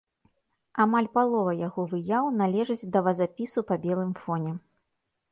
Амаль палова яго выяў належаць да вазапісу па белым фоне.